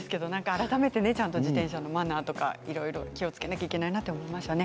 改めて自転車のマナーとかいろいろ気をつけなきゃいけないなと思いました。